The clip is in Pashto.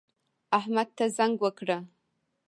احمد ته زنګ وکړه